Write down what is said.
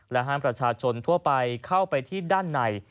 ห้ามประชาชนทั่วไปเข้าไปที่ด้านใน